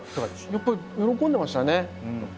やっぱり喜んでましたね。